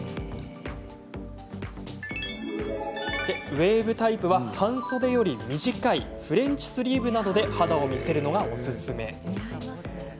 ウエーブタイプは、半袖より短いフレンチスリーブなどで肌を見せるのがおすすめ。